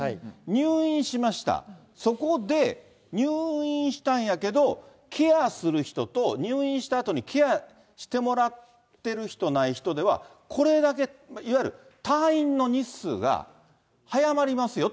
入院しました、そこで、入院したんやけど、ケアする人と、入院したあとに、ケアしてもらってる人、していない人では、これだけ、いわゆる退院の日数が早まりますよ